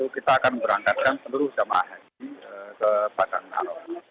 kita akan berangkatkan seluruh jamaah haji ke pakarun